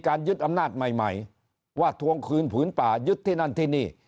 ยึดอำนาจใหม่ว่าทวงคืนผืนป่ายึดที่นั่นที่นี่